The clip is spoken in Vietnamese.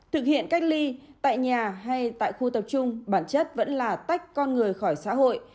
thực hiện cách ly tại nhà hay tại khu tập trung bản chất vẫn là tách con người khỏi xã hội